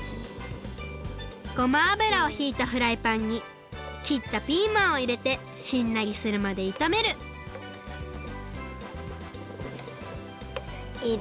ごまあぶらをひいたフライパンに切ったピーマンをいれてしんなりするまでいためるいれる。